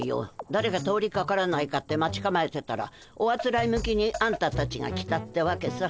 だれか通りかからないかって待ちかまえてたらおあつらえ向きにあんたたちが来たってわけさ。